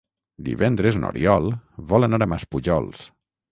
Divendres n'Oriol vol anar a Maspujols.